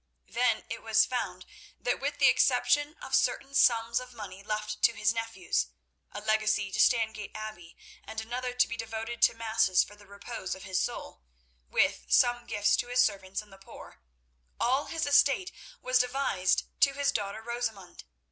Then it was found that with the exception of certain sums of money left to his nephews, a legacy to Stangate Abbey, and another to be devoted to masses for the repose of his soul, with some gifts to his servants and the poor, all his estate was devised to his daughter Rosamund.